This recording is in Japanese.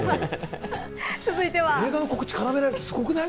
映画の告知を絡められるってすごくない？